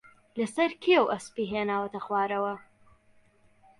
لەسەر کێو ئەسپی ھێناوەتە خوارەوە